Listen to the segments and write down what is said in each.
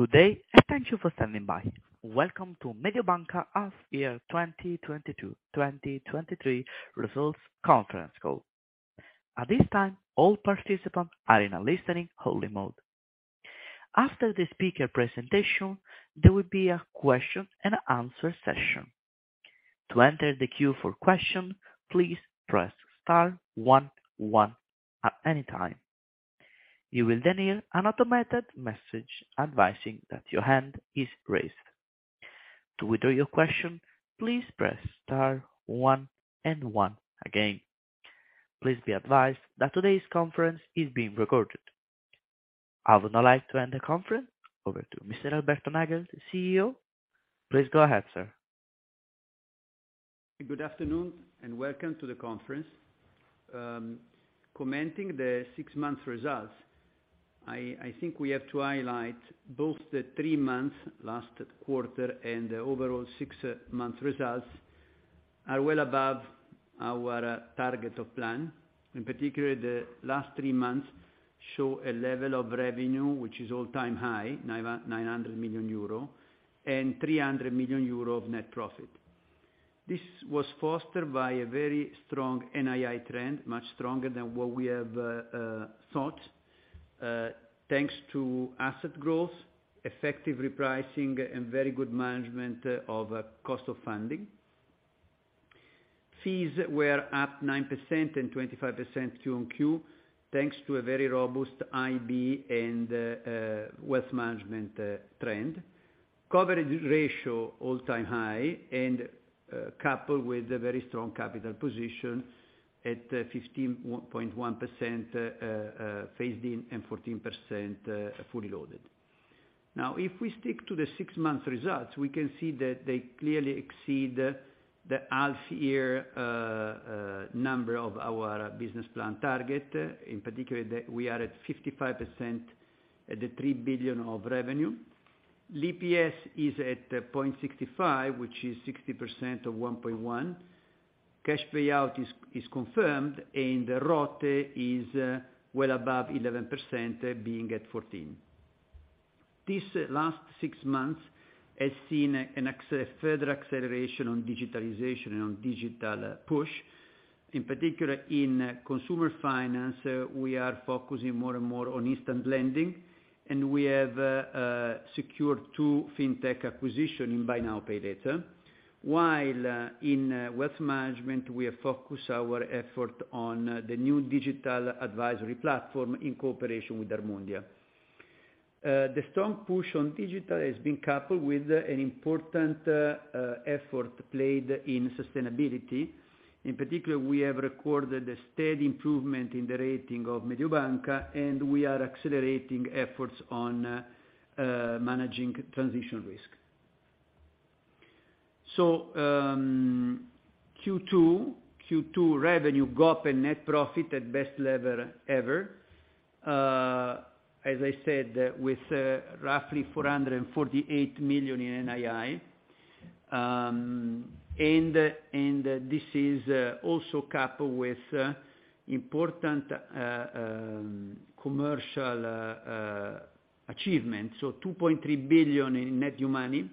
Good day, and thank you for standing by. Welcome to Mediobanca Half Year 2022/2023 Results Conference Call. At this time, all participants are in a listening-only mode. After the speaker presentation, there will be a question-and-answer session. To enter the queue for question, please press star one one at any time. You will then hear an automated message advising that your hand is raised. To withdraw your question, please press star one and one again. Please be advised that today's conference is being recorded. I would now like to hand the conference over to Mr. Alberto Nagel, the CEO. Please go ahead, sir. Good afternoon, welcome to the conference. Commenting the six-month results, I think we have to highlight both the three months last quarter and the overall six months results are well above our target of plan. In particular, the last three months show a level of revenue, which is all-time high, 900 million euro and 300 million euro of net profit. This was fostered by a very strong NII trend, much stronger than what we have thought, thanks to asset growth, effective repricing and very good management of cost of funding. Fees were up 9% and 25% Q on Q, thanks to a very robust IB and wealth management trend. Coverage ratio all-time high, coupled with a very strong capital position at 15.1% phased in and 14% fully loaded. If we stick to the six-month results, we can see that they clearly exceed the half-year number of our business plan target. In particular, we are at 55% at the 3 billion of revenue. EPS is at 0.65, which is 60% of 1.1. Cash payout is confirmed and the ROTE is well above 11% being at 14%. This last six months has seen further acceleration on digitalization and on digital push. In particular, in consumer finance, we are focusing more and more on instant lending, and we have secured two fintech acquisition in buy now, pay later. While in wealth management, we have focused our effort on the new digital advisory platform in cooperation with Armundia. The strong push on digital has been coupled with an important effort played in sustainability. In particular, we have recorded a steady improvement in the rating of Mediobanca, and we are accelerating efforts on managing transition risk. Q2 revenue, GOP and net profit at best level ever, as I said, with roughly 448 million in NII. This is also coupled with important commercial achievement. 2.3 billion in net new money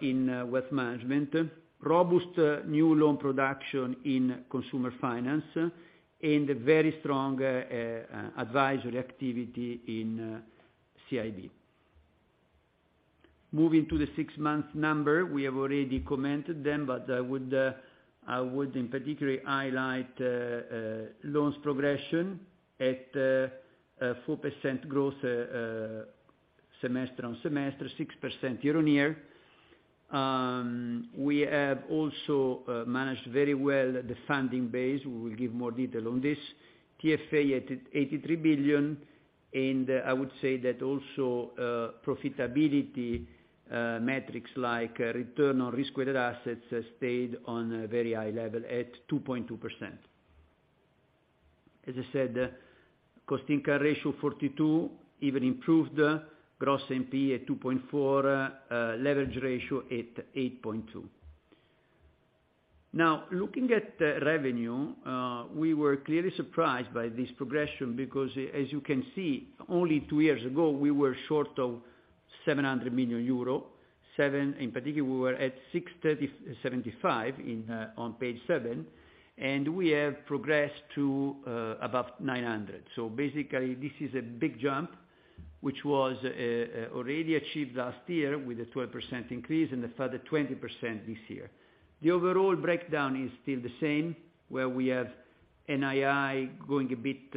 in wealth management, robust new loan production in consumer finance and a very strong advisory activity in CIB. Moving to the six-month number, we have already commented them, but I would in particular highlight loans progression at 4% growth semester on semester, 6% year-on-year. We have also managed very well the funding base. We will give more detail on this. TFA at 83 billion. I would say that also profitability metrics like return on risk-weighted assets stayed on a very high level at 2.2%. As I said, cost/income ratio 42% even improved gross NPE at 2.4%, leverage ratio at 8.2%. Looking at the revenue, we were clearly surprised by this progression because as you can see, only two years ago, we were short of 700 million euro. Page seven, in particular, we were at 637.5 million on page seven, we have progressed to above 900 million. Basically, this is a big jump, which was already achieved last year with a 12% increase and a further 20% this year. The overall breakdown is still the same, where we have NII going a bit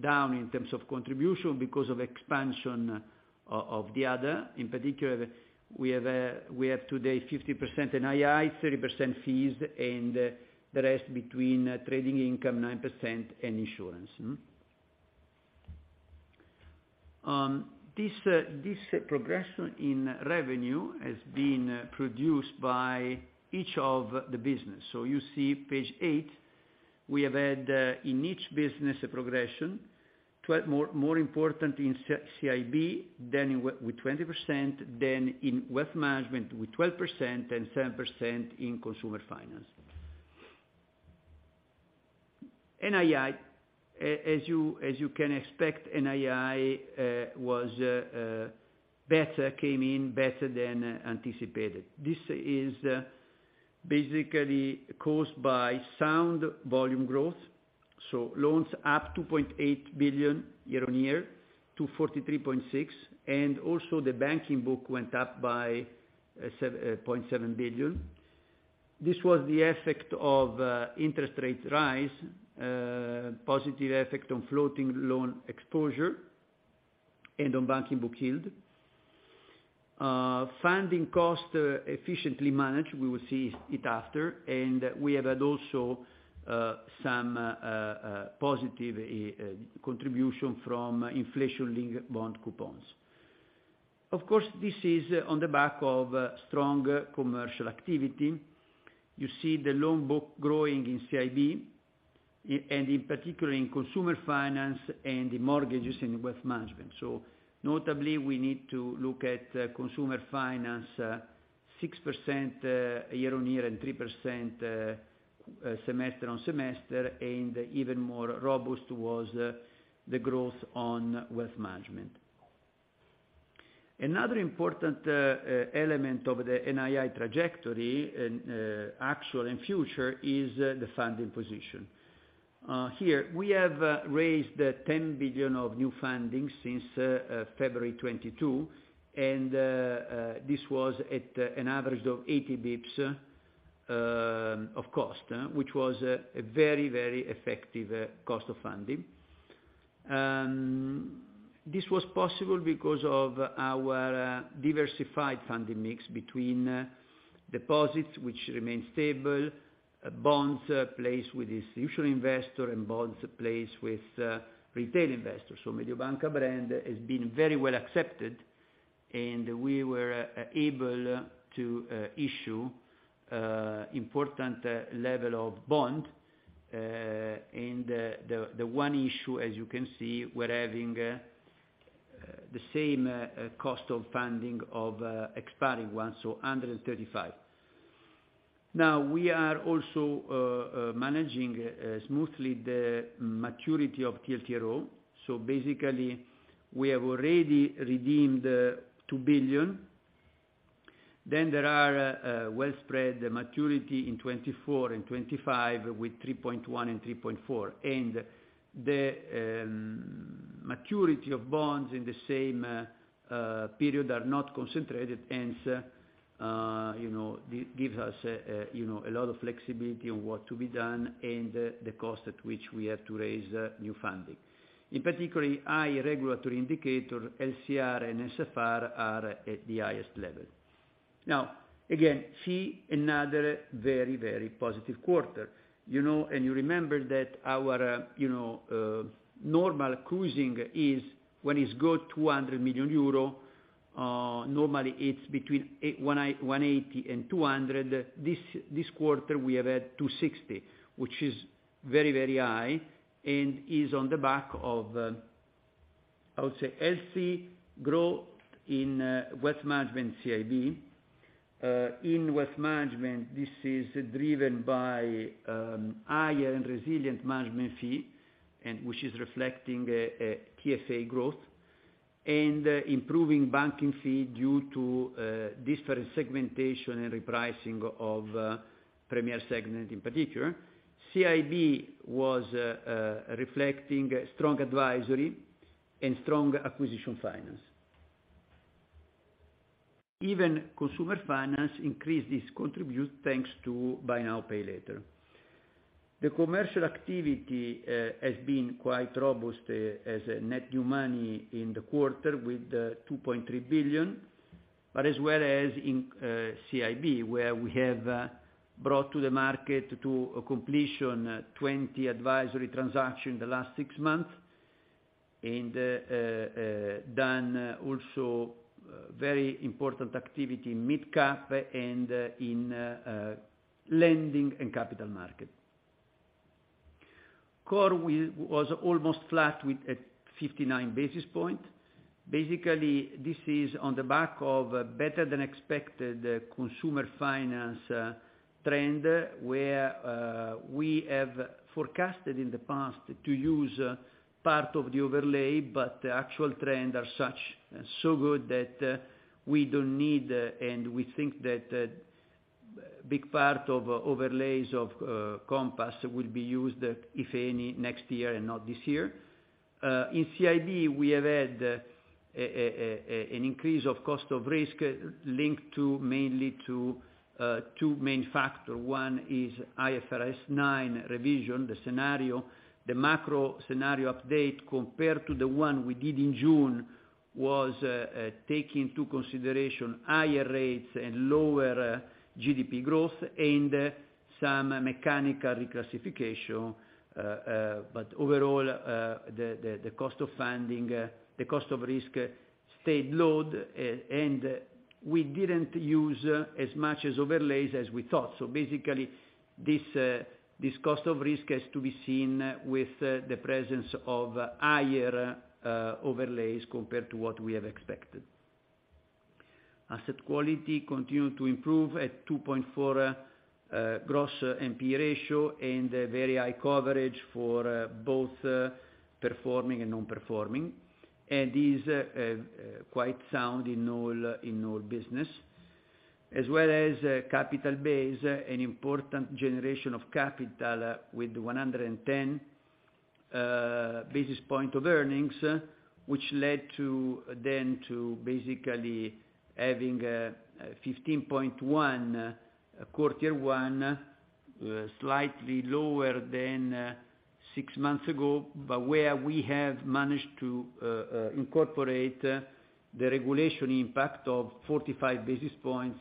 down in terms of contribution because of expansion of the other. In particular, we have today 50% NII, 30% fees and the rest between trading income, 9%, and insurance. This progression in revenue has been produced by each of the business. You see page eight, we have had in each business a progression, more important in CIB than in with 20%, than in wealth management with 12% and 10% in consumer finance. NII, as you can expect, NII was better, came in better than anticipated. This is basically caused by sound volume growth, loans up 2.8 billion year-on-year to 43.6 billion, and also the banking book went up by 0.7 billion. This was the effect of interest rate rise, positive effect on floating loan exposure and on banking book yield. Funding cost efficiently managed, we will see it after, and we have had also some positive contribution from inflation-linked bond coupons. Of course, this is on the back of strong commercial activity. You see the loan book growing in CIB, and in particular in consumer finance and the mortgages and wealth management. Notably, we need to look at consumer finance, 6% year-on-year, and 3% semester-on-semester, and even more robust was the growth on wealth management. Another important element of the NII trajectory in actual and future is the funding position. Here, we have raised 10 billion of new funding since February 2022, and this was at an average of 80 basis points of cost, which was a very, very effective cost of funding. This was possible because of our diversified funding mix between deposits, which remain stable, bonds placed with institutional investor, and bonds placed with retail investors. Mediobanca brand has been very well accepted, and we were able to issue important level of bond. The one issue, as you can see, we're having the same cost of funding of expiring one, so under 35. We are also managing smoothly the maturity of TLTRO. Basically we have already redeemed 2 billion. There are well spread maturity in 2024 and 2025 with 3.1 billion and 3.4 billion. The maturity of bonds in the same period are not concentrated, hence, you know, gives us, you know, a lot of flexibility on what to be done and the cost at which we have to raise new funding. In particularly, high regulatory indicator, LCR and NSFR are at the highest level. Again, fee, another very, very positive quarter, you know? You remember that our, you know, normal cruising is when it's got 200 million euro, normally it's between 180 million and 200 million. This quarter we have had 260, which is very, very high and is on the back of, I would say, healthy growth in wealth management CIB. In wealth management, this is driven by higher and resilient management fee, and which is reflecting TFA growth and improving banking fee due to different segmentation and repricing of Premier segment in particular. CIB was reflecting strong advisory and strong acquisition finance. Even consumer finance increased this contribute thanks to buy now, pay later. The commercial activity has been quite robust as a net new money in the quarter with 2.3 billion. As well as in CIB, where we have brought to the market to a completion 20 advisory transaction in the last six months and done also very important activity in midcap and in lending and capital market. CoR was almost flat with, at 59 basis point. Basically, this is on the back of a better-than-expected consumer finance trend, where we have forecasted in the past to use part of the overlay, but the actual trend are such, so good that we don't need and we think that big part of overlays of Compass will be used, if any, next year and not this year.In CIB, we have had an increase of cost of risk linked to mainly to two main factor. One is IFRS 9 revision, the scenario. The macro scenario update compared to the one we did in June was take into consideration higher rates and lower GDP growth and some mechanical reclassification. Overall, the cost of funding, the cost of risk stayed low, and we didn't use as much as overlays as we thought. Basically this cost of risk has to be seen with the presence of higher overlays compared to what we have expected. Asset quality continued to improve at 2.4% gross NPE ratio and a very high coverage for both performing and non-performing. Is quite sound in all, in all business, as well as capital base, an important generation of capital with 110 basis points of earnings. To basically having 15.1 Q1, slightly lower than six months ago, but where we have managed to incorporate the regulation impact of 45 basis points,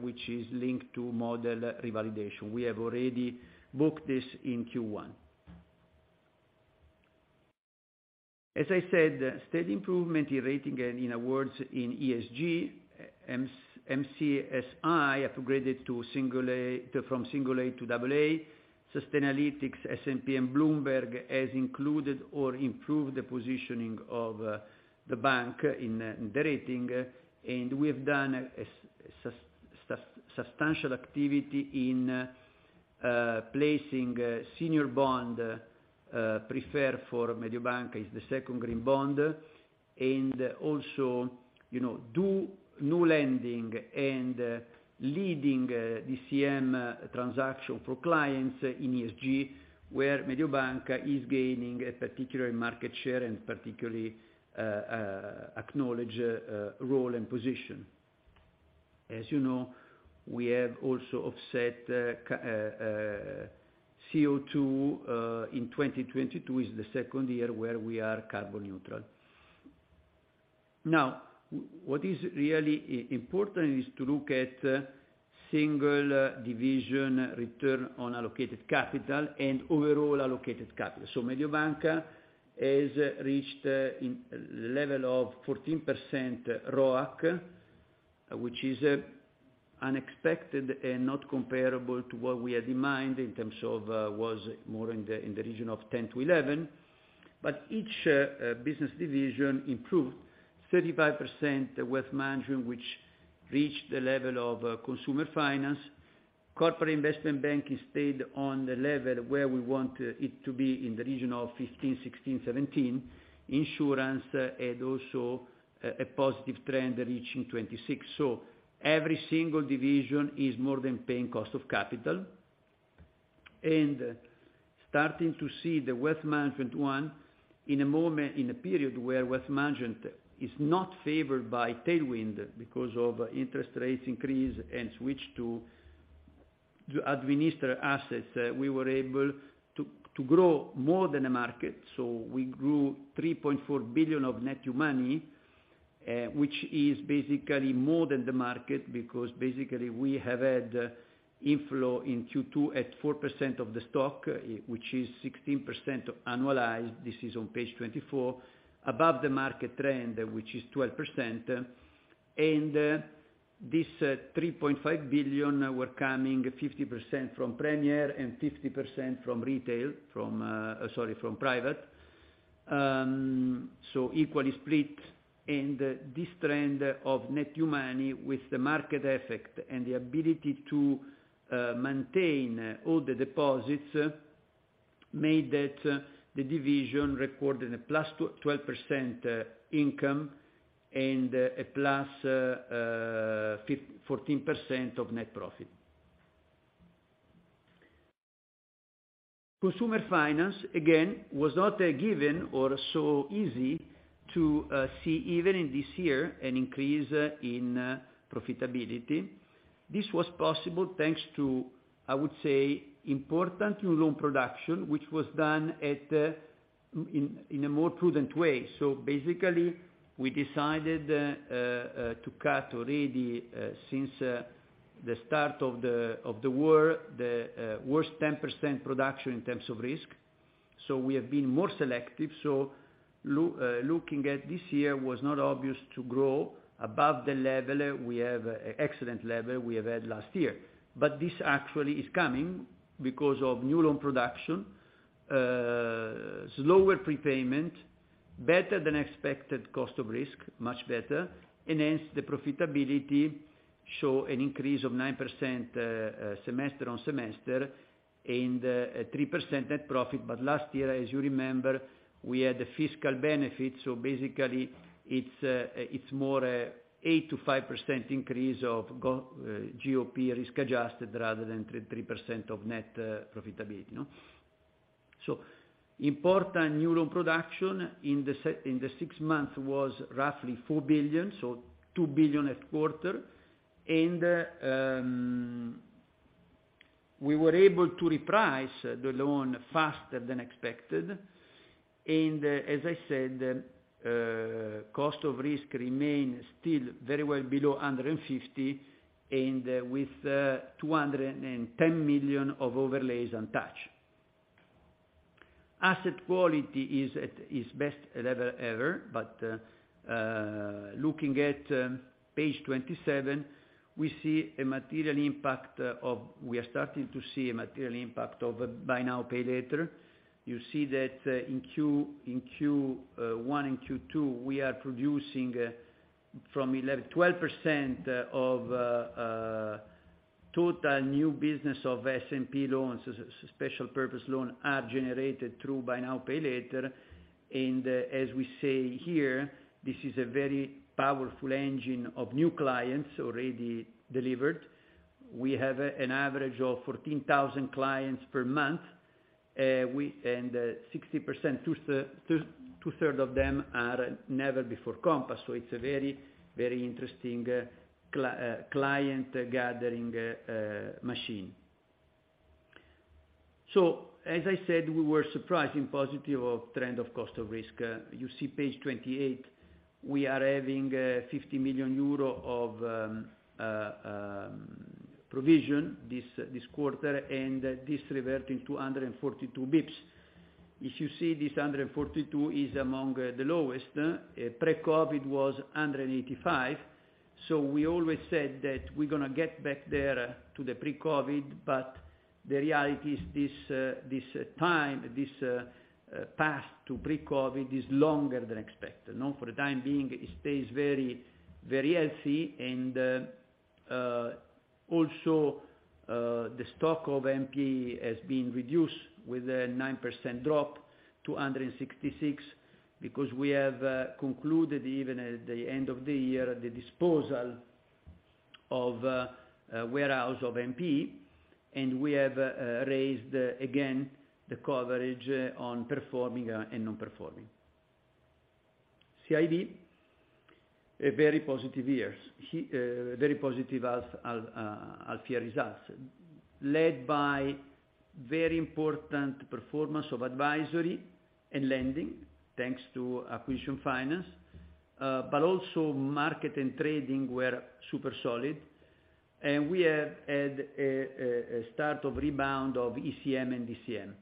which is linked to model revalidation. We have already booked this in Q1. As I said, steady improvement in rating and in awards in ESG, MSCI upgraded to Single A from Single A to Double A. Sustainalytics, S&P, and Bloomberg has included or improved the positioning of the bank in the rating. We have done a substantial activity in placing senior bond, preferred for Mediobanca is the second green bond. Also, you know, do new lending and leading DCM transaction for clients in ESG, where Mediobanca is gaining a particular market share and particularly, acknowledge, role and position. As you know, we have also offset CO2 in 2022 is the second year where we are carbon neutral. Now, what is really important is to look at single division return on allocated capital and overall allocated capital. Mediobanca has reached level of 14% ROAC, which is unexpected and not comparable to what we had in mind in terms of, was more in the region of 10%-11%. Each business division improved 35% wealth management, which reached the level of consumer finance. Corporate investment bank stayed on the level where we want it to be in the region of 15, 16, 17. Insurance had also a positive trend reaching 26. Every single division is more than paying cost of capital. Starting to see the wealth management one in a period where wealth management is not favored by tailwind because of interest rates increase and switch to administer assets, we were able to grow more than a market. We grew 3.4 billion of net new money, which is more than the market, because we have had inflow in Q2 at 4% of the stock, which is 16% annualized. This is on page 24. Above the market trend, which is 12%. This 3.5 billion were coming 50% from Premier and 50% from retail from, sorry, from private. Equally split. This trend of net new money with the market effect and the ability to maintain all the deposits, made that the division recorded a +12% income and a +14% of net profit. Consumer finance, again, was not a given or so easy to see, even in this year, an increase in profitability. This was possible, thanks to, I would say, important new loan production, which was done in a more prudent way. Basically, we decided to cut already since the start of the war, the worst 10% production in terms of risk. We have been more selective. Looking at this year was not obvious to grow above the level we have, excellent level we have had last year. This actually is coming because of new loan production, slower prepayment, better than expected cost of risk, much better. Hence the profitability show an increase of 9% semester on semester and a 3% net profit. Last year, as you remember, we had the fiscal benefit. Basically it's more 8%-5% increase of GOP risk-adjusted rather than 3% of net profitability, you know. Important new loan production in the six months was roughly 4 billion, so 2 billion at quarter. We were able to reprice the loan faster than expected. As I said, cost of risk remain still very well below 150 and with 210 million of overlays untouched. Asset quality is at its best level ever, looking at page 27, we are starting to see a material impact of buy now, pay later. You see that, in Q1 and Q2, we are producing, from 12% of total new business of SPL loans, special purpose loan, are generated through buy now, pay later. As we say here, this is a very powerful engine of new clients already delivered. We have an average of 14,000 clients per month. And 60%, 2/3 of them are never before Compass. It's a very, very interesting client gathering machine. As I said, we were surprised and positive of trend of cost of risk. You see page 28, we are having 50 million euro of provision this quarter, and this reverting to 142 basis points. If you see this 142 basis points is among the lowest. Pre-COVID was 185 basis points. We always said that we're gonna get back there to the pre-COVID, but the reality is this time, this path to pre-COVID is longer than expected. Now, for the time being, it stays very, very healthy and also, the stock of NPE has been reduced with a 9% drop to 166, because we have concluded even at the end of the year, the disposal of a warehouse of NPE, and we have raised again the coverage on performing and non-performing. CIB, a very positive years. He, very positive half year results. Led by very important performance of advisory and lending, thanks to acquisition finance, but also market and trading were super solid. We have had a start of rebound of ECM and DCM.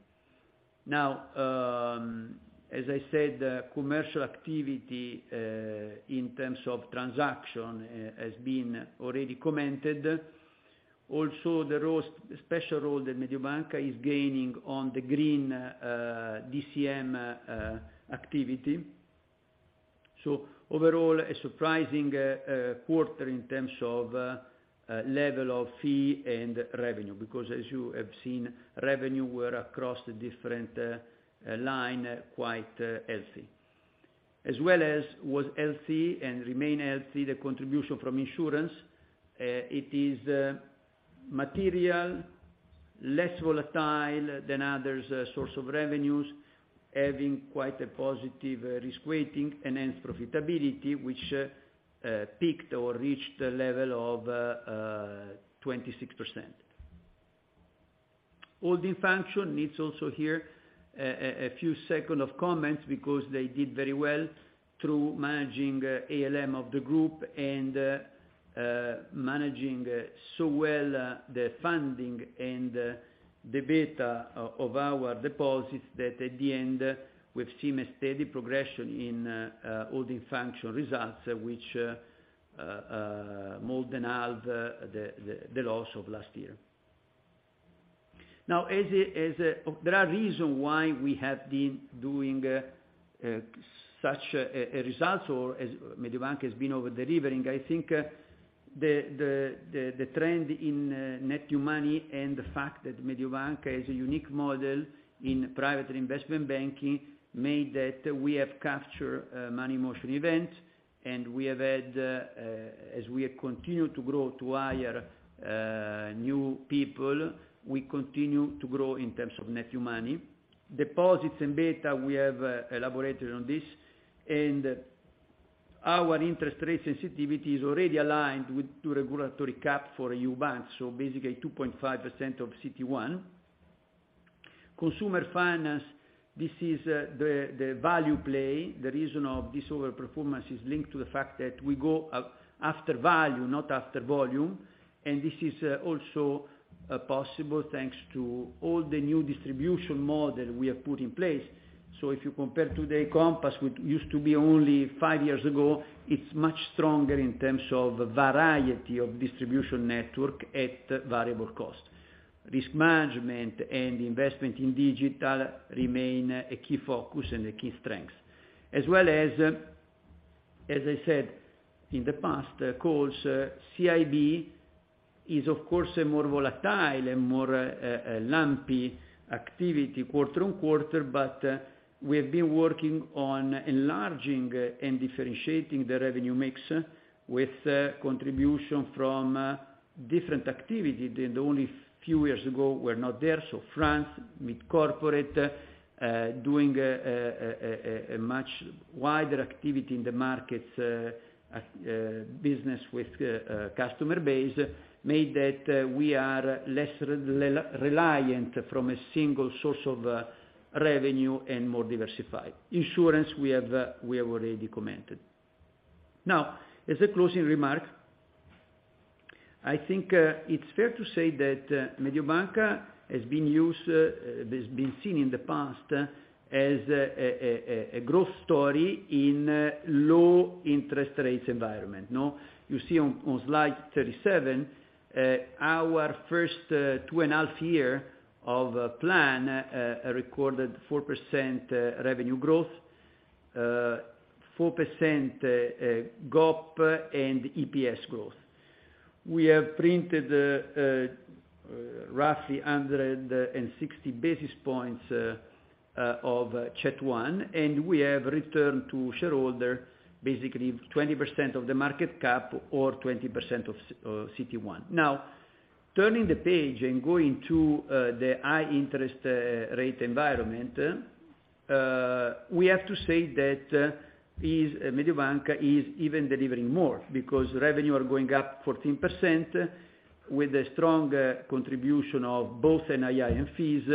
Now, as I said, commercial activity in terms of transaction has been already commented. Also, the special role that Mediobanca is gaining on the green DCM activity. Overall, a surprising quarter in terms of level of fee and revenue, because as you have seen, revenue were across the different line, quite healthy. As well as was healthy and remain healthy, the contribution from insurance. It is material less volatile than others source of revenues, having quite a positive risk weighting and hence profitability, which peaked or reached the level of 26%. Holding function needs also here a few second of comments because they did very well through managing ALM of the group and managing so well the funding and the beta of our deposits that at the end, we've seen a steady progression in holding function results, which more than half the loss of last year. Now, as a... There are reasons why we have been doing such a result or as Mediobanca has been over-delivering. I think the trend in net new money and the fact that Mediobanca is a unique model in private investment banking, made that we have captured money motion events, and we have had, as we continue to grow to hire new people, we continue to grow in terms of net new money. Deposits and beta, we have elaborated on this. Our interest rate sensitivity is already aligned with the regulatory cap for EU banks, so basically 2.5% of CET1. Consumer finance, this is the value play. The reason of this over-performance is linked to the fact that we go after value, not after volume. This is also possible thanks to all the new distribution model we have put in place. If you compare today Compass, which used to be only five years ago, it's much stronger in terms of variety of distribution network at variable cost. Risk management and investment in digital remain a key focus and a key strength. As well as I said in the past calls, CIB is of course, a more volatile and more lumpy activity quarter-on-quarter, but we have been working on enlarging and differentiating the revenue mix with contribution from different activity that only few years ago were not there. France, Mid Corporate, doing a much wider activity in the markets business with customer base, made that we are less reliant from a single source of revenue and more diversified. Insurance, we have already commented. Now, as a closing remark. I think, it's fair to say that Mediobanca has been used, it's been seen in the past as a growth story in low interest rates environment, no? You see on slide 37, our first two and half year of plan, recorded 4% revenue growth, 4% GOP and EPS growth. We have printed roughly 160 basis points of CET1, and we have returned to shareholder basically 20% of the market cap or 20% of CET1. Turning the page and going to the high interest rate environment, we have to say that Mediobanca is even delivering more because revenue are going up 14% with a strong contribution of both NII and fees,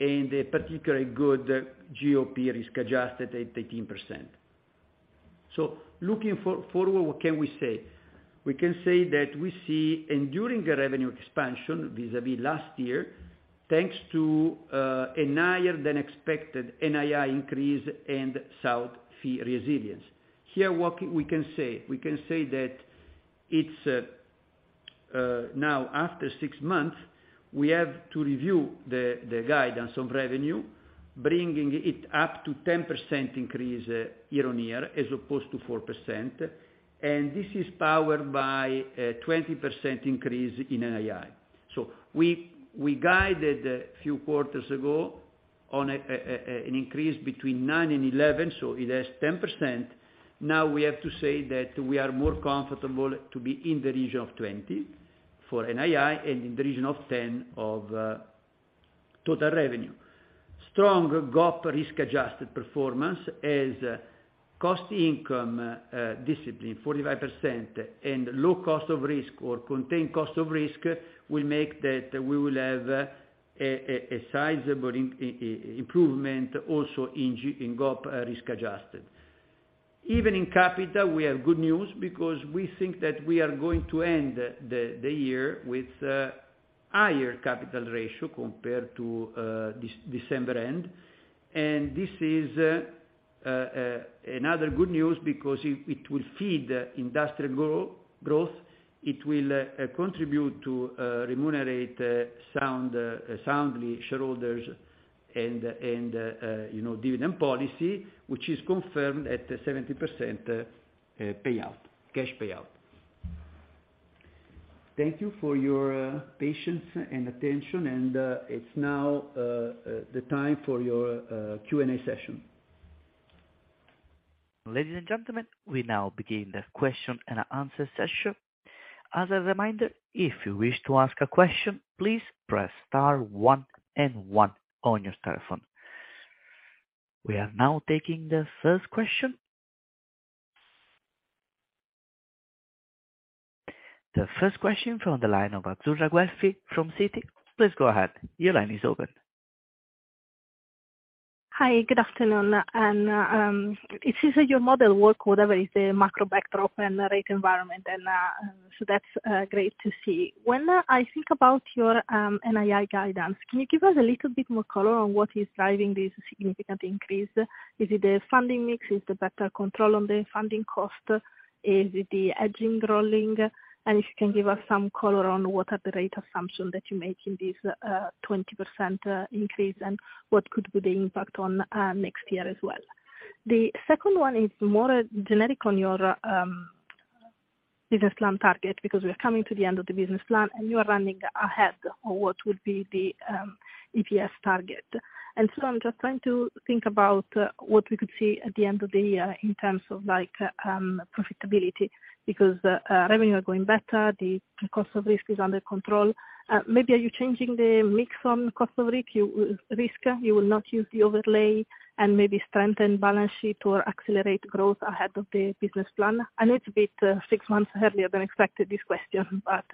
and a particularly good GOP risk-adjusted at 18%. Looking forward, what can we say? We can say that we see enduring revenue expansion vis-à-vis last year, thanks to a higher-than-expected NII increase and south fee resilience. Here what we can say, we can say that it's now after six months, we have to review the guidance on revenue, bringing it up to 10% increase year-on-year as opposed to 4%. This is powered by a 20% increase in NII. We guided a few quarters ago on an increase between 9% and 11%, so it has 10%. We have to say that we are more comfortable to be in the region of 20% for NII and in the region of 10% of total revenue. Strong GOP risk-adjusted performance as cost income discipline 45% and low cost of risk or contained cost of risk will make that we will have a sizable improvement also in GOP risk-adjusted. Even in capital, we have good news because we think that we are going to end the year with higher capital ratio compared to December end. This is another good news because it will feed industrial growth. It will contribute to remunerate sound soundly shareholders and, you know, dividend policy, which is confirmed at 70% payout, cash payout. Thank you for your patience and attention. It's now the time for your Q&A session. Ladies and gentlemen, we now begin the question and answer session. As a reminder, if you wish to ask a question, please press star one and one on your telephone. We are now taking the first question. The first question from the line of Azzurra Guelfi from Citi. Please go ahead. Your line is open. Hi. Good afternoon. It seems that your model work, whatever is the macro backdrop and the rate environment, that's great to see. When I think about your NII guidance, can you give us a little bit more color on what is driving this significant increase? Is it the funding mix? Is it better control on the funding cost? Is it the hedging rolling? If you can give us some color on what are the rate assumption that you make in this 20% increase, what could be the impact on next year as well. The second one is more generic on your business plan target, because we're coming to the end of the business plan, you are running ahead on what would be the EPS target. I'm just trying to think about what we could see at the end of the year in terms of like profitability, because revenue are going better, the cost of risk is under control. Maybe are you changing the mix on cost of risk? You will not use the overlay and maybe strengthen balance sheet or accelerate growth ahead of the business plan? I know it's a bit six months earlier than expected, this question, but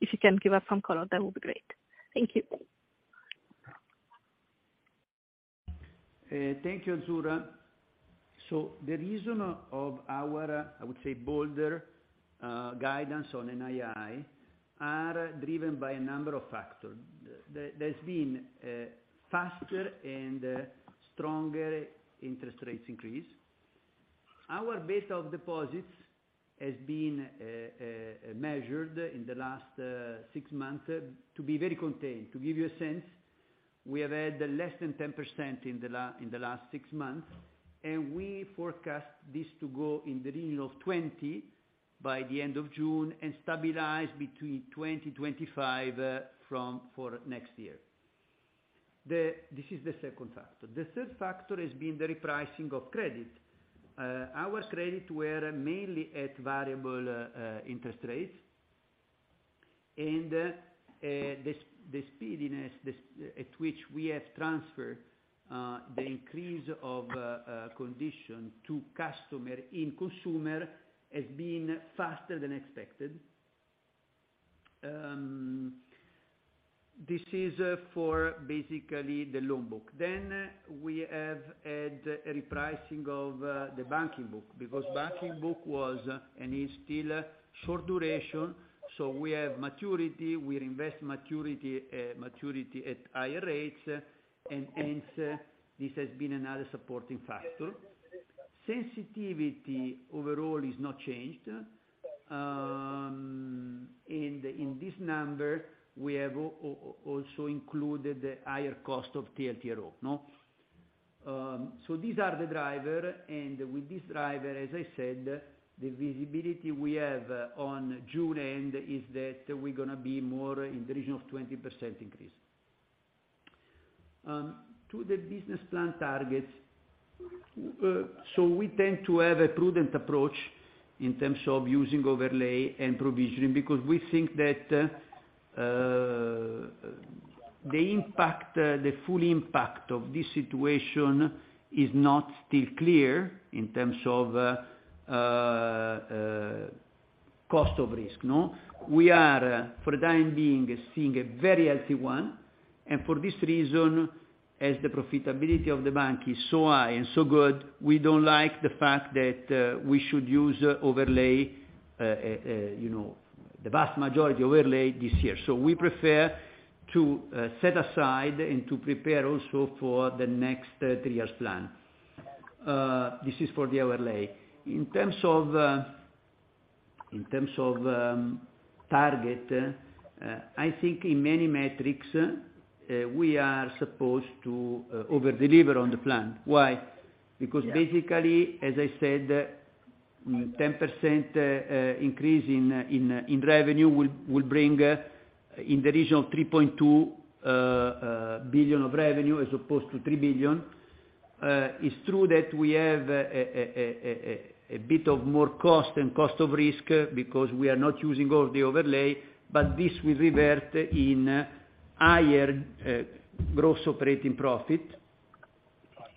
if you can give us some color, that would be great. Thank you. Thank you, Azzurra Guelfi. The reason of our, I would say, bolder, guidance on NII are driven by a number of factors. There, there's been, faster and, stronger interest rates increase. Our base of deposits has been, measured in the last six months to be very contained. To give you a sense, we have had less than 10% in the last six months, and we forecast this to go in the region of 20% by the end of June and stabilize between 20%-25%, from, for next year. This is the second factor. The third factor has been the repricing of credit. Our credit were mainly at variable interest rates, the speediness at which we have transferred the increase of condition to customer and consumer has been faster than expected. This is for basically the loan book. We have had a repricing of the banking book, because banking book was and is still short duration, so we have maturity, we invest maturity at higher rates, and hence, this has been another supporting factor. Sensitivity overall is not changed. In this number we have also included the higher cost of TLTRO, no. These are the driver, and with this driver, as I said, the visibility we have on June end is that we're gonna be more in the region of 20% increase to the business plan targets. We tend to have a prudent approach in terms of using overlay and provisioning because we think that the impact, the full impact of this situation is not still clear in terms of cost of risk, no? We are, for the time being, seeing a very healthy one, and for this reason, as the profitability of the bank is so high and so good, we don't like the fact that we should use overlay, you know, the vast majority overlay this year. We prefer to set aside and to prepare also for the next three years plan. This is for the overlay. In terms of target, I think in many metrics, we are supposed to over-deliver on the plan. Why? As I said, 10% increase in revenue will bring in the region of 3.2 billion of revenue as opposed to 3 billion. It's true that we have a bit of more cost and cost of risk because we are not using all the overlay, but this will revert in higher gross operating profit.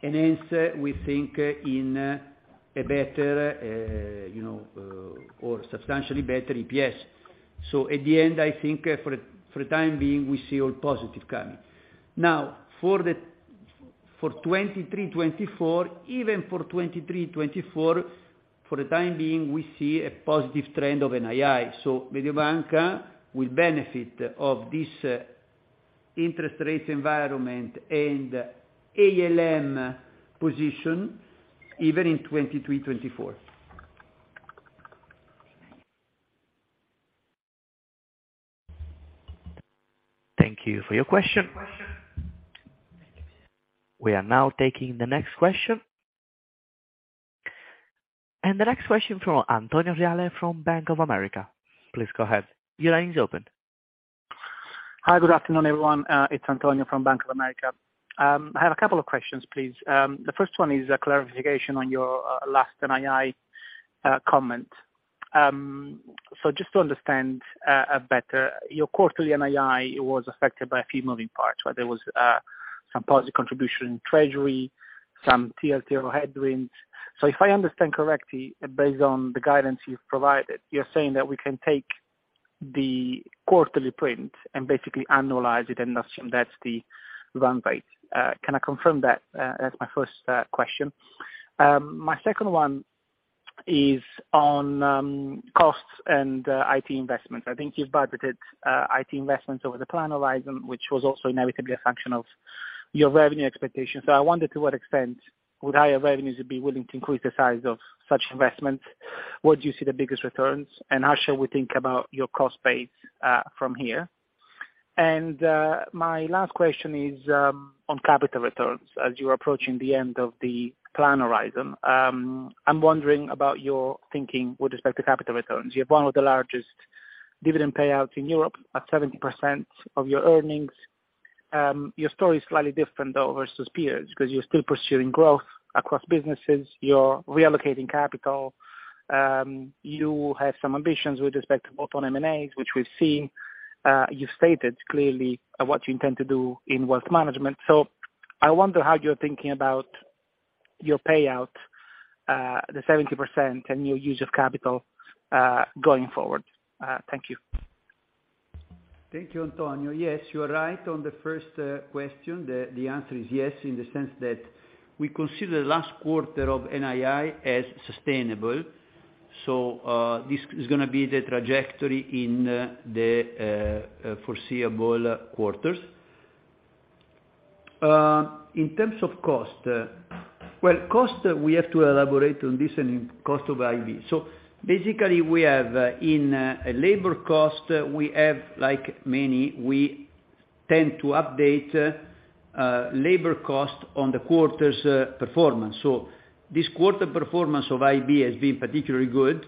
We think in a better, you know, or substantially better EPS. I think for the time being, we see all positive coming. For 2023, 2024, even for 2023, 2024, for the time being, we see a positive trend of NII. Mediobanca will benefit of this interest rate environment and ALM position even in 2023, 2024. Thank you for your question. We are now taking the next question. The next question from Antonio Reale from Bank of America. Please go ahead. Your line is open. Hi, good afternoon, everyone. It's Antonio from Bank of America. I have a couple of questions, please. The first one is a clarification on your last NII comment. Just to understand better, your quarterly NII was affected by a few moving parts, where there was some positive contribution in treasury, some TLTRO headwinds. If I understand correctly, based on the guidance you've provided, you're saying that we can take the quarterly print and basically annualize it and assume that's the run rate. Can I confirm that? That's my first question. My second one is on costs and IT investments. I think you've budgeted IT investments over the plan horizon, which was also inevitably a function of your revenue expectations.I wondered to what extent would higher revenues be willing to increase the size of such investments? Where do you see the biggest returns? How should we think about your cost base from here? My last question is on capital returns. As you're approaching the end of the plan horizon, I'm wondering about your thinking with respect to capital returns. You have one of the largest dividend payouts in Europe at 70% of your earnings. Your story is slightly different, though, versus peers, because you're still pursuing growth across businesses. You're reallocating capital. You have some ambitions with respect to both on M&As, which we've seen. You've stated clearly what you intend to do in wealth management. I wonder how you're thinking about your payout, the 70% and your use of capital going forward. Thank you. Thank you, Antonio. Yes, you are right on the first question. The answer is yes, in the sense that we consider the last quarter of NII as sustainable. This is gonna be the trajectory in the foreseeable quarters. In terms of cost, well, cost, we have to elaborate on this and in cost of IB. Basically, we have in a labor cost, we tend to update labor cost on the quarter's performance. This quarter performance of IB has been particularly good,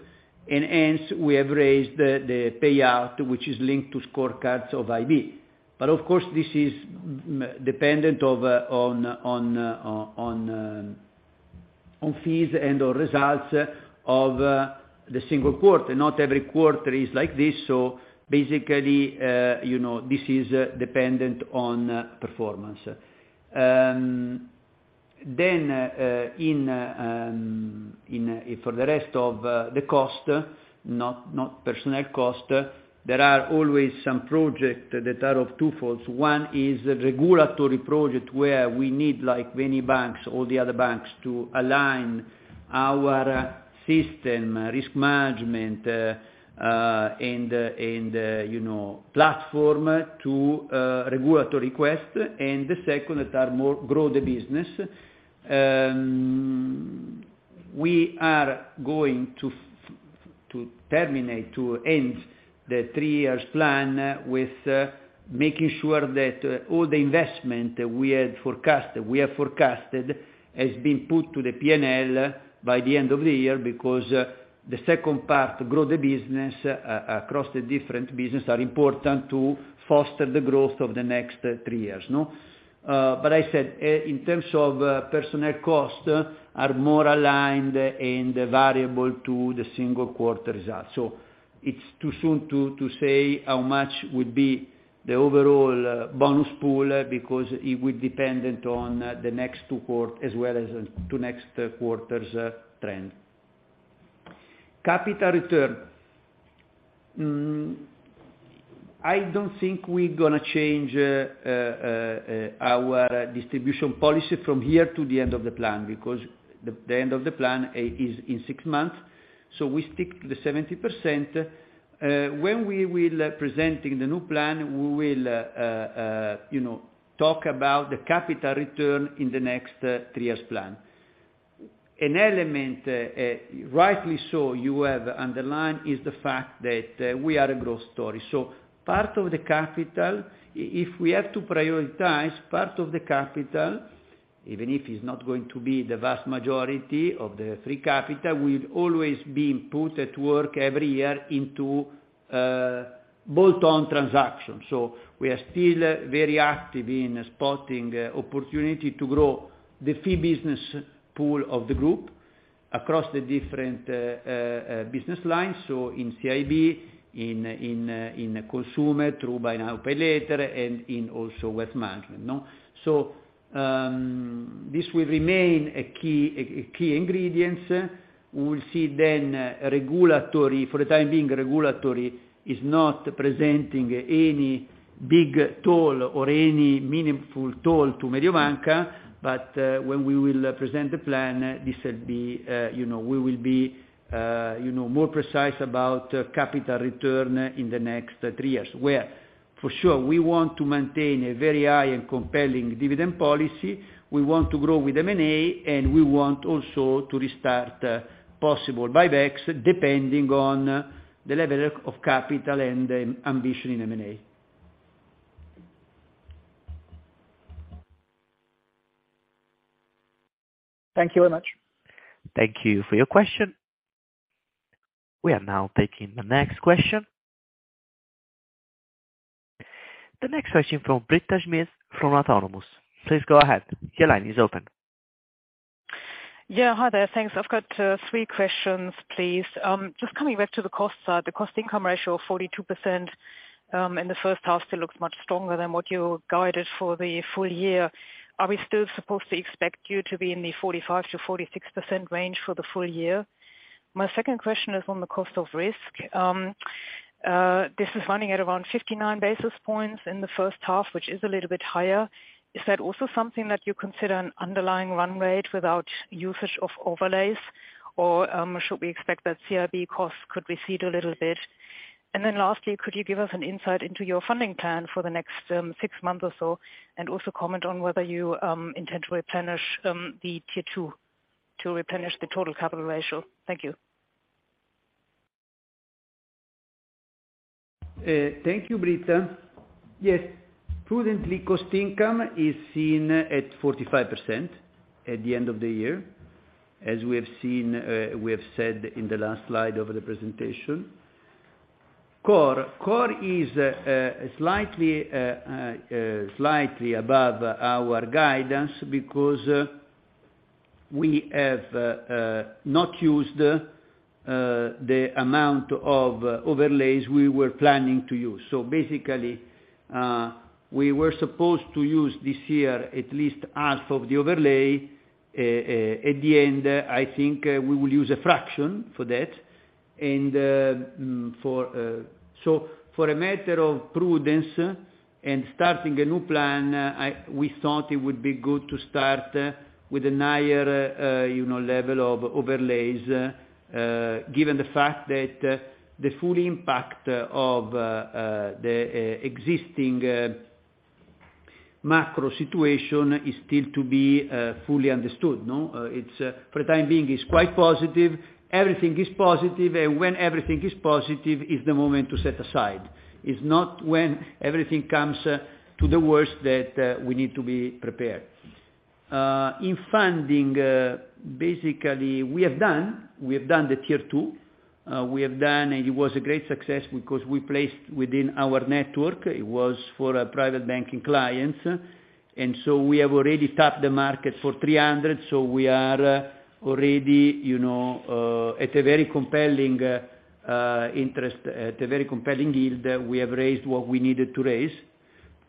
and hence we have raised the payout, which is linked to scorecards of IB. Of course, this is dependent on fees and/or results of the single quarter. Not every quarter is like this. Basically, you know, this is dependent on performance. for the rest of the cost, not personnel cost, there are always some project that are of twofolds. One is regulatory project where we need, like many banks, all the other banks, to align our system, risk management, and, you know, platform to regulatory request. The second that are more grow the business. We are going to terminate, to end the three years plan with making sure that all the investment that we had forecast, we have forecasted has been put to the P&L by the end of the year because the second part, grow the business across the different business, are important to foster the growth of the next, three years, no. I said, in terms of personnel costs are more aligned and variable to the single quarter results. It's too soon to say how much would be the overall bonus pool, because it will dependent on the next two next quarter's trend. Capital return. I don't think we're gonna change our distribution policy from here to the end of the plan, because the end of the plan is in six months, we stick to the 70%. When we will presenting the new plan, we will, you know, talk about the capital return in the next three years plan. An element, rightly so, you have underlined, is the fact that we are a growth story. Part of the capital, if we had to prioritize part of the capital, even if it's not going to be the vast majority of the free capital, will always be put at work every year into bolt-on transactions. We are still very active in spotting opportunity to grow the fee business pool of the group across the different business lines, in CIB, in consumer, through buy now, pay later, and in also wealth management, no? This will remain a key ingredients. We'll see then regulatory. For the time being, regulatory is not presenting any big toll or any meaningful toll to Mediobanca. When we will present the plan, this will be, you know, we will be, you know, more precise about capital return in the next three years. For sure, we want to maintain a very high and compelling dividend policy, we want to grow with M&A, and we want also to restart possible buybacks, depending on the level of capital and ambition in M&A. Thank you very much. Thank you for your question. We are now taking the next question. The next question from Britta Schmidt from Autonomous. Please go ahead. Your line is open. Hi there. Thanks. I've got three questions, please. Just coming back to the cost side. The cost/income ratio of 42% in the first half still looks much stronger than what you guided for the full year. Are we still supposed to expect you to be in the 45%-46% range for the full year? My second question is on the cost of risk. This is running at around 59 basis points in the first half, which is a little bit higher. Is that also something that you consider an underlying run rate without usage of overlays, or should we expect that CIB costs could recede a little bit? Lastly, could you give us an insight into your funding plan for the next six months or so? Also comment on whether you, intend to replenish, the Tier 2 to replenish the total capital ratio. Thank you. Thank you, Britta. Yes. Prudently cost income is seen at 45% at the end of the year, as we have seen, we have said in the last slide of the presentation. CoR is slightly above our guidance because we have not used the amount of overlays we were planning to use. Basically, we were supposed to use this year at least half of the overlay. At the end, I think we will use a fraction for that. For a matter of prudence and starting a new plan, we thought it would be good to start with a higher, you know, level of overlays, given the fact that the full impact of the existing macro situation is still to be fully understood, no? It's for the time being, it's quite positive. Everything is positive. When everything is positive, it's the moment to set aside. It's not when everything comes to the worst that we need to be prepared. In funding, basically we have done the Tier 2. We have done, it was a great success because we placed within our network. It was for a private banking clients. We have already tapped the market for 300 million, so we are already, you know, at a very compelling interest, at a very compelling yield. We have raised what we needed to raise.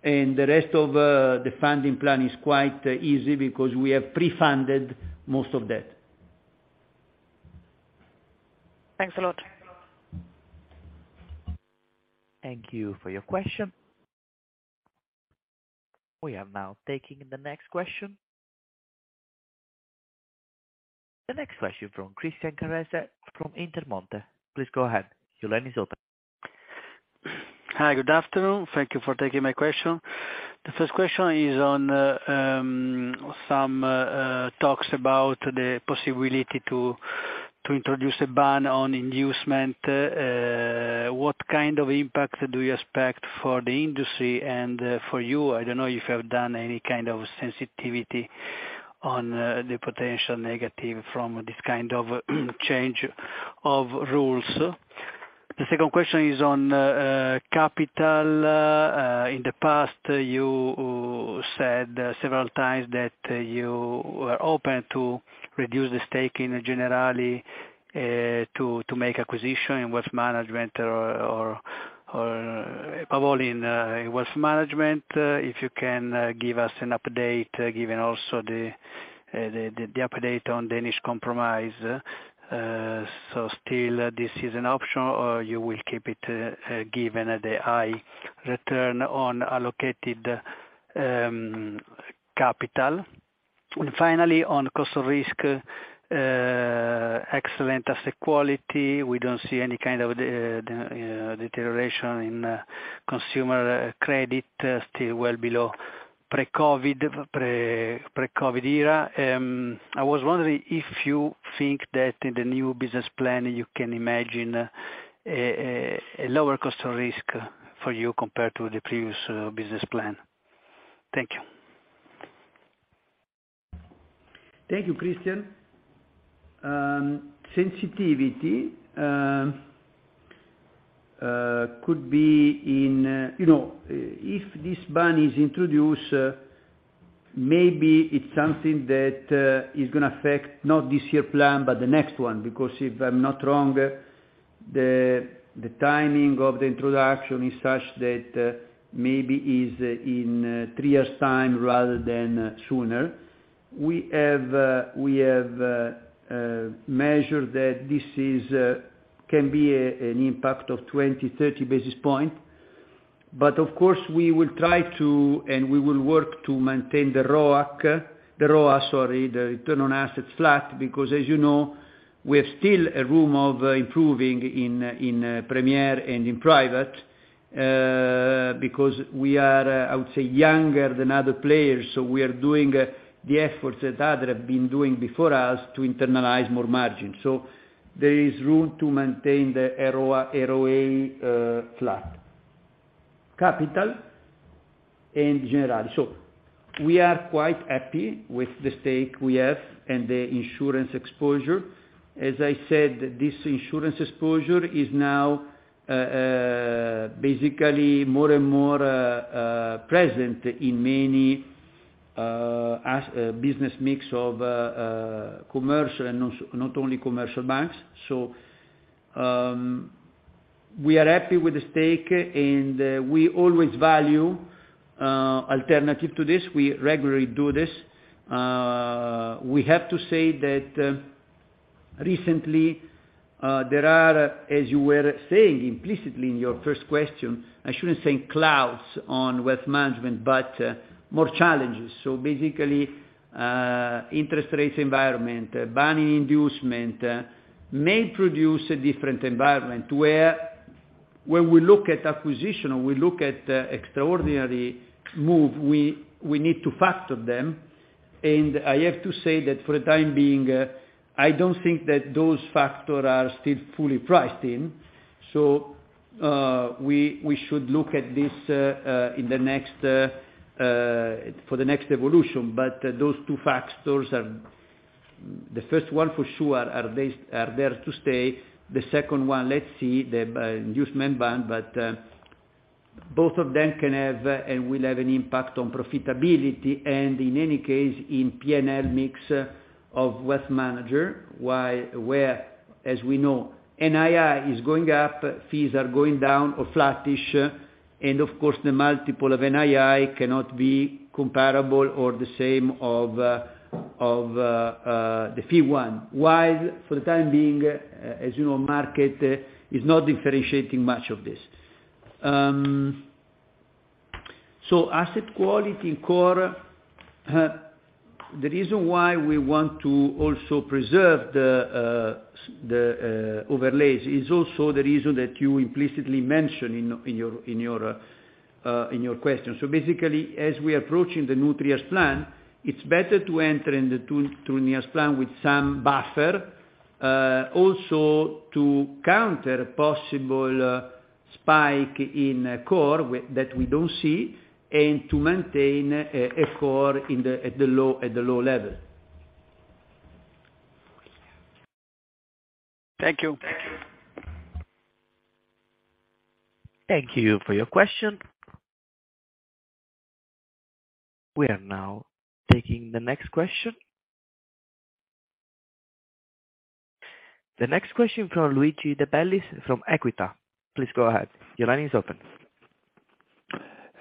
The rest of the funding plan is quite easy because we have pre-funded most of that. Thanks a lot. Thank you for your question. We are now taking the next question. The next question from Christian Carrese from Intermonte. Please go ahead. Your line is open. Hi, good afternoon. Thank you for taking my question. The first question is on some talks about the possibility to introduce a ban on inducement. What kind of impact do you expect for the industry and for you? I don't know if you have done any kind of sensitivity on the potential negative from this kind of change of rules. The second question is on capital. In the past you said several times that you were open to reduce the stake in the Generali to make acquisition in wealth management or probably in wealth management. If you can give us an update, given also the update on Danish compromise. Still this is an option, or you will keep it given the high return on allocated capital. Finally, on cost of risk, excellent asset quality. We don't see any kind of deterioration in consumer credit, still well below pre-COVID era. I was wondering if you think that in the new business plan, you can imagine a lower cost of risk for you compared to the previous business plan. Thank you. Thank you, Christian. Sensitivity could be. You know, if this ban is introduced, maybe it's something that is gonna affect not this year plan, but the next one, because if I'm not wrong, the timing of the introduction is such that maybe is in three years time rather than sooner. We have measured that this is can be an impact of 20, 30 basis point. Of course, we will try to and we will work to maintain the ROAC, the ROA, sorry, the return on assets flat because as you know, we have still a room of improving in Premier and in private, because we are, I would say, younger than other players, so we are doing the efforts that other have been doing before us to internalize more margin. There is room to maintain the ROA flat. Capital in Generali. We are quite happy with the stake we have and the insurance exposure. As I said, this insurance exposure is now basically more and more present in many as business mix of commercial and not only commercial banks. We are happy with the stake and we always value alternative to this. We regularly do this. We have to say that recently, there are, as you were saying implicitly in your first question, I shouldn't say clouds on wealth management, but more challenges. Basically, interest rates environment, banning inducement, may produce a different environment where we look at acquisition or we look at extraordinary move, we need to factor them.I have to say that for the time being, I don't think that those factors are still fully priced in. We should look at this in the next for the next evolution. Those two factors are. The first one for sure are there to stay. The second one, let's see, the inducement ban. Both of them can have and will have an impact on profitability and in any case, in PNL mix of wealth manager, while where, as we know, NII is going up, fees are going down or flattish. Of course, the multiple of NII cannot be comparable or the same of the fee one. For the time being, as you know, market is not differentiating much of this. Asset quality CoR. The reason why we want to also preserve the overlays is also the reason that you implicitly mentioned in your question. As we are approaching the new three-year plan, it's better to enter in the two-year plan with some buffer, also to counter possible spike in CET1 that we don't see and to maintain a CET1 at the low level. Thank you. Thank you for your question. We are now taking the next question. The next question from Luigi De Bellis from Equita. Please go ahead. Your line is open.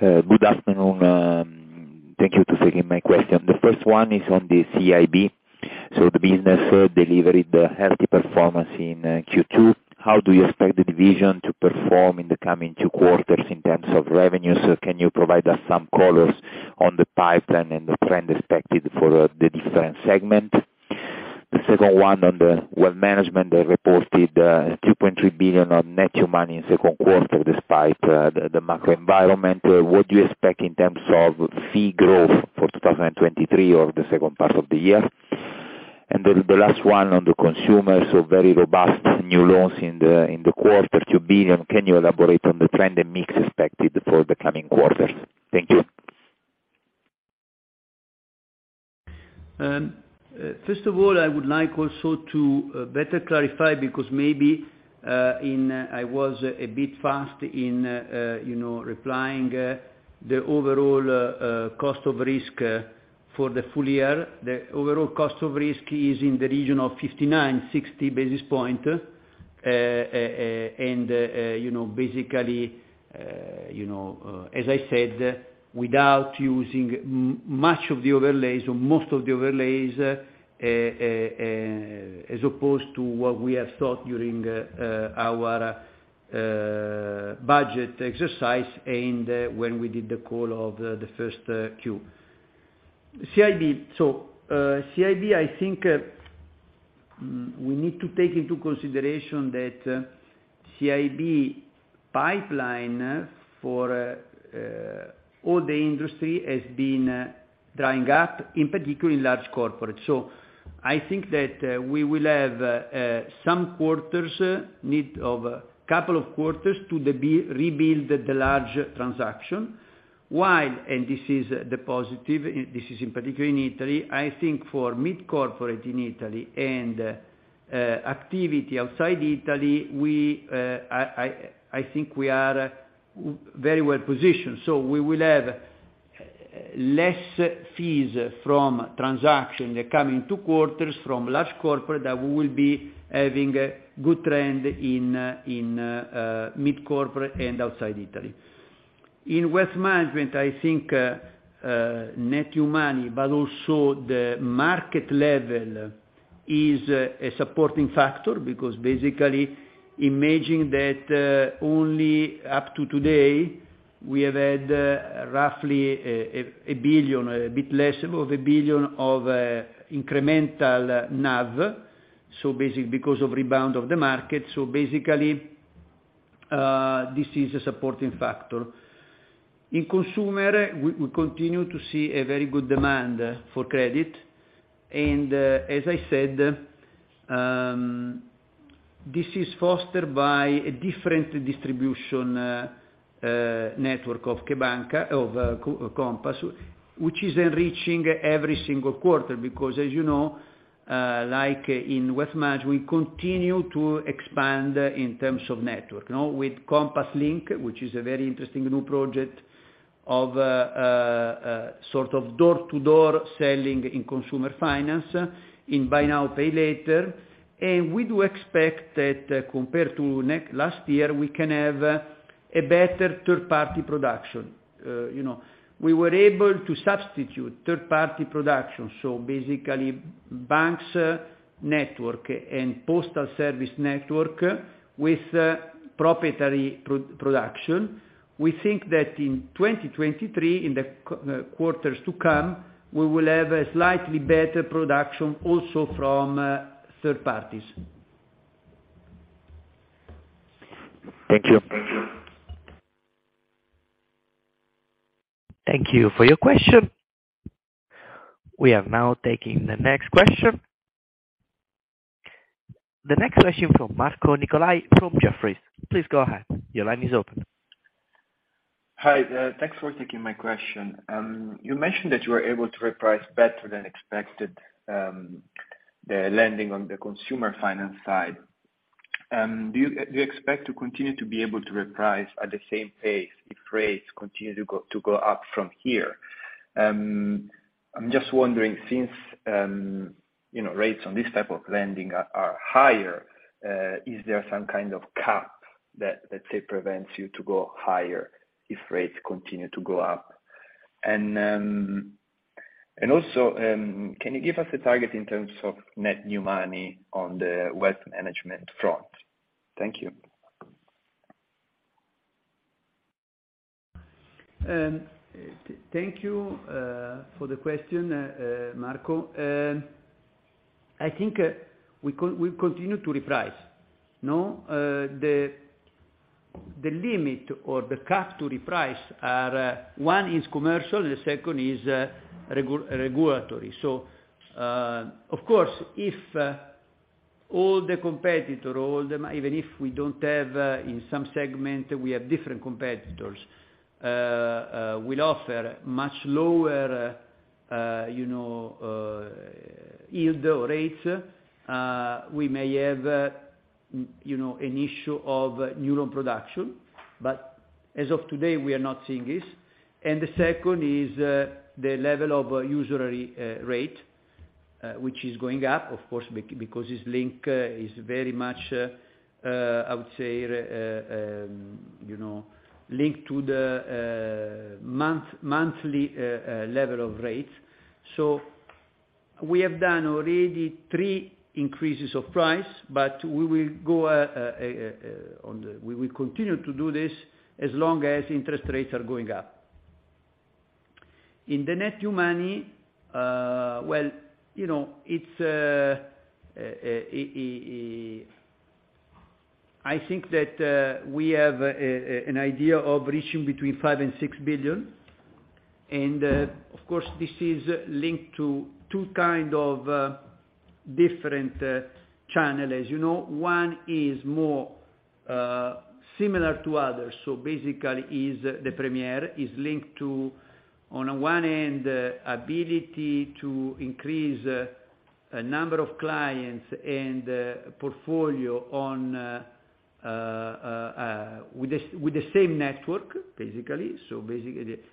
Good afternoon. Thank you to taking my question. The first one is on the CIB. The business delivered a healthy performance in Q2. How do you expect the division to perform in the coming two quarters in terms of revenues? Can you provide us some colors on the pipeline and the trend expected for the different segment? The second one on the wealth management, they reported 2.3 billion on net new money in second quarter despite the macro environment. What do you expect in terms of fee growth for 2023 or the second part of the year? The last one on the consumer, very robust new loans in the quarter, 2 billion. Can you elaborate on the trend and mix expected for the coming quarters? Thank you. First of all, I would like also to better clarify because maybe, I was a bit fast in, you know, replying, the overall cost of risk for the full year. The overall cost of risk is in the region of 59, 60 basis points. You know, basically, you know, as I said, without using much of the overlays or most of the overlays, as opposed to what we have thought during our budget exercise and when we did the call of the first Q. CIB. CIB, I think, we need to take into consideration that CIB pipeline for all the industry has been drying up, in particular in large corporate. I think that we will have some quarters need of two quarters to rebuild the large transaction. This is the positive, this is in particular in Italy, I think for Mid Corporate in Italy and activity outside Italy, we I think we are very well positioned. We will have less fees from transaction the coming two quarters from large corporate that we will be having a good trend in Mid Corporate and outside Italy. In wealth management, I think net new money, but also the market level is a supporting factor because basically, imagine that only up to today we have had roughly 1 billion, a bit less of 1 billion of incremental NAV, because of rebound of the market. Basically, this is a supporting factor. In consumer, we continue to see a very good demand for credit, and as I said, this is fostered by a different distribution network of CheBanca! of Compass, which is enriching every single quarter because, as you know, like in Wealth Management, we continue to expand in terms of network. Now, with Compass Link, which is a very interesting new project of sort of door-to-door selling in consumer finance in buy now, pay later. We do expect that compared to last year, we can have a better third-party production. You know, we were able to substitute third-party production, so basically banks network and postal service network with proprietary production. We think that in 2023, in the quarters to come, we will have a slightly better production also from third parties. Thank you. Thank you for your question. We are now taking the next question. The next question from Marco Nicolai from Jefferies. Please go ahead. Your line is open. Hi. Thanks for taking my question. You mentioned that you were able to reprice better than expected, the lending on the consumer finance side. Do you expect to continue to be able to reprice at the same pace if rates continue to go up from here? I'm just wondering since, you know, rates on this type of lending are higher, is there some kind of cap that, let's say, prevents you to go higher if rates continue to go up? Also, can you give us a target in terms of net new money on the wealth management front? Thank you. Thank you for the question, Marco. I think we continue to reprice, you know. The limit or the cap to reprice are, one is commercial, the second is regulatory. Of course, if all the competitor or all them, even if we don't have in some segment, we have different competitors, will offer much lower, you know, yield or rates, we may have, you know, an issue of new loan production. As of today, we are not seeing this. The second is the level of usury rate, which is going up, of course, because it's link, is very much, I would say, you know, linked to the monthly level of rates. We have done already three increases of price, but we will continue to do this as long as interest rates are going up. In the net new money, you know, an idea of reaching between 5 billion and 6 billion. Of course, this is linked to two kind of different channel. As you know, one is more similar to others, Premier is linked to, on one hand, ability to increase a number of clients and portfolio with the same network, basically.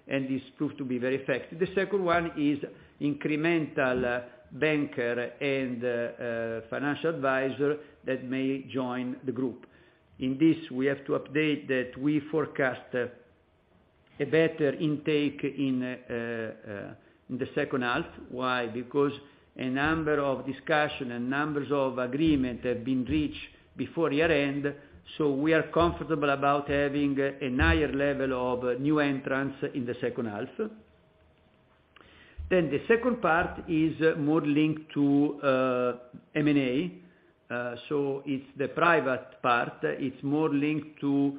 This proved to be very effective. The second one is incremental banker and financial advisor that may join the group. In this, we have to update that we forecast a better intake in the second half. Why? Because a number of discussion and numbers of agreement have been reached before year-end, so we are comfortable about having a higher level of new entrants in the second half. The second part is more linked to M&A, so it's the private part. It's more linked to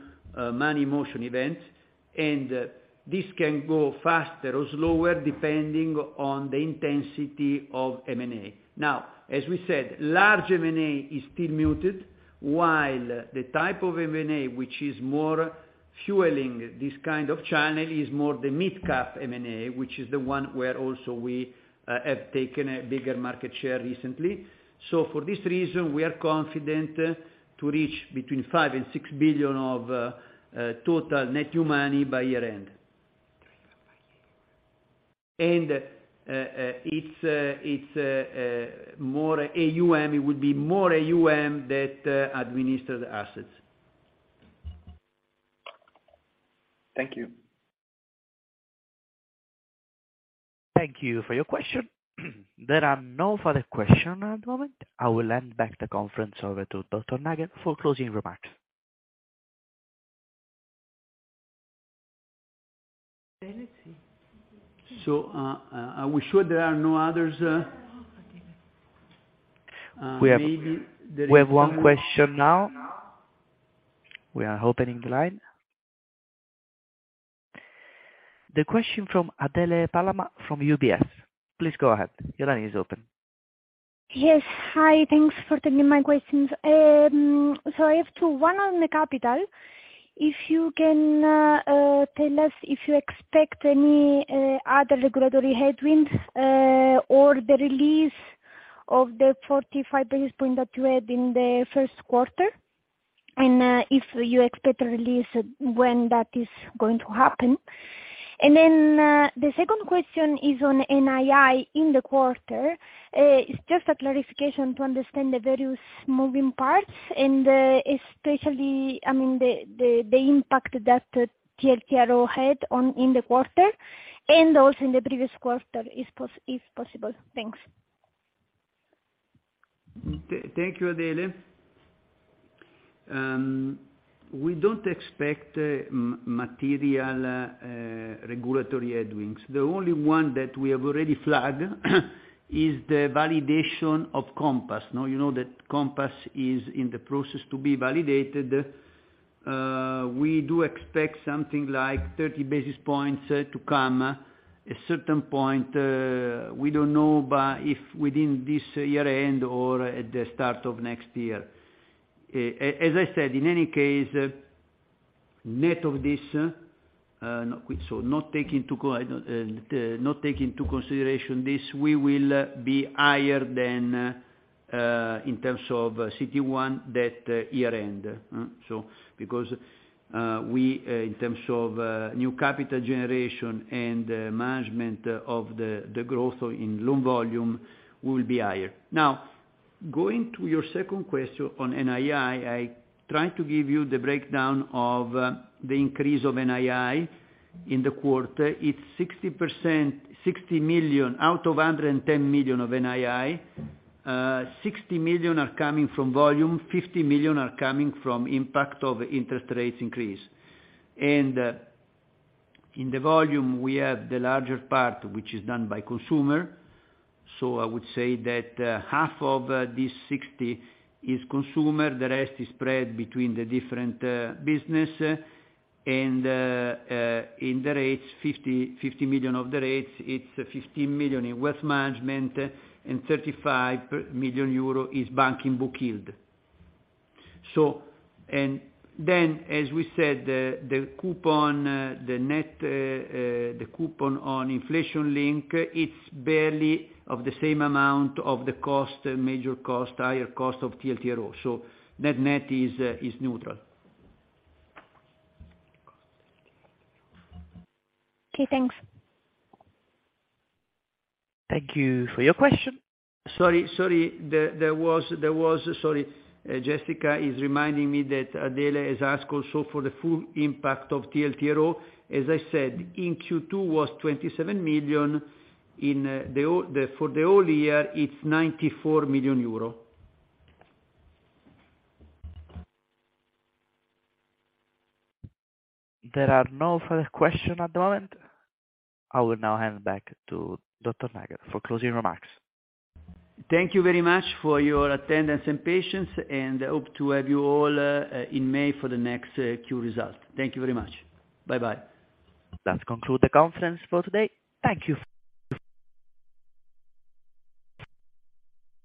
money motion events, and this can go faster or slower depending on the intensity of M&A. As we said, large M&A is still muted, while the type of M&A which is more fueling this kind of channel is more the midcap M&A, which is the one where also we have taken a bigger market share recently. For this reason, we are confident to reach between 5 billion and 6 billion of total net new money by year-end. It's more AUM. It would be more AUM that administered assets. Thank you. Thank you for your question. There are no further question at the moment. I will hand back the conference over to Dr. Nagel for closing remarks. Are we sure there are no others? We have- Maybe there is one. We have one question now. We are opening the line. The question from Adele Palamà from UBS. Please go ahead. Your line is open. Yes. Hi. Thanks for taking my questions. I have two. One on the capital, if you can tell us if you expect any other regulatory headwinds or the release of the 45 basis points that you had in the first quarter, and if you expect a release, when that is going to happen. The second question is on NII in the quarter. It's just a clarification to understand the various moving parts and especially, I mean, the impact that TLTRO had on in the quarter and also in the previous quarter if possible. Thanks. Thank you, Adele. We don't expect material regulatory headwinds. The only one that we have already flagged is the validation of Compass. You know that Compass is in the process to be validated. We do expect something like 30 basis points to come a certain point. We don't know, but if within this year-end or at the start of next year. As I said, in any case, net of this, so not taking into consideration this, we will be higher than, in terms of CET1 that year-end, huh. Because, we, in terms of, new capital generation and management of the growth in loan volume will be higher. Going to your second question on NII, I try to give you the breakdown of the increase of NII in the quarter. It's 60%, 60 million out of 110 million of NII. 60 million are coming from volume, 50 million are coming from impact of interest rates increase. In the volume, we have the larger part, which is done by consumer. I would say that, half of this 60 is consumer. The rest is spread between the different business. In the rates, 50 million of the rates, it's 15 million in wealth management and 35 million euro is banking book yield. As we said, the coupon, the net coupon on inflation link, it's barely of the same amount of the cost, major cost, higher cost of TLTRO. Net-net is neutral. Okay, thanks. Thank you for your question. Sorry, sorry. There was. Sorry. Jessica is reminding me that Adele has asked also for the full impact of TLTRO. As I said, in Q2 was 27 million. In the whole, for the whole year, it's 94 million euro. There are no further question at the moment. I will now hand back to Dr. Nagel for closing remarks. Thank you very much for your attendance and patience. I hope to have you all in May for the next Q results. Thank you very much. Bye-bye. That conclude the conference for today. Thank you.